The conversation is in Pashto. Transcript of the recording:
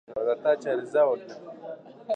نه دي پاکي کړلې سرې اوښکي د کونډي